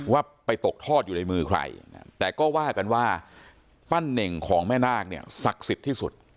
ว่าไปตกทอดอยู่ในมือใครแต่ก็ว่ากันว่าปั้นเน่งของแม่นาคเนี่ยศักดิ์สิทธิ์ที่สุด